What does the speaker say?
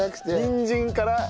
「にんじん」から。